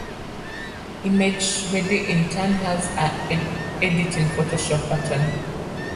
ImageReady, in turn, has a "Edit in Photoshop" button.